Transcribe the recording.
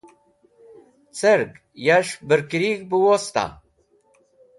Cerg yash bẽrkũrig̃h bẽ wosta?